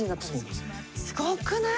すごくない？